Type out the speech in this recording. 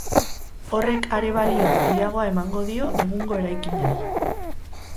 Horrek are balio handiagoa emango dio egungo eraikinari.